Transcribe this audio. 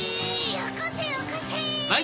よこせよこせ！